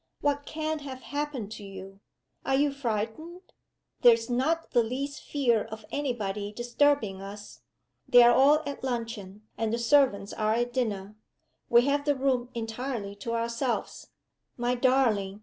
What can have happened to you? Are you frightened? There's not the least fear of any body disturbing us. They are all at luncheon, and the servants are at dinner. We have the room entirely to ourselves. My darling!